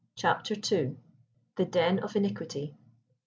*CHAPTER II.* *THE DEN OF INIQUITY.